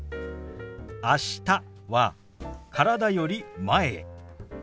「あした」は体より前へ。